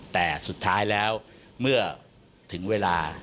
แต่สุดท้ายแล้วเมื่อถึงเวลา